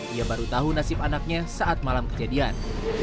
ia baru tahu nasib anaknya saat malam kejadian